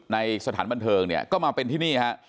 สถานบันเทิงเนี่ยก็มาเป็นที่นี่ฮะ